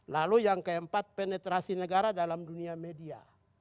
lalu yang keempat penetrasi negara dalam dunia media